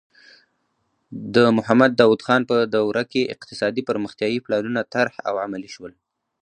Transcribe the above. د محمد داؤد خان په دوره کې اقتصادي پرمختیايي پلانونه طرح او عملي شول.